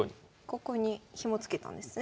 ここにヒモつけたんですね。